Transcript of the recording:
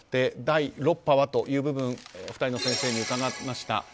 第６波はという部分２人の先生に伺いました。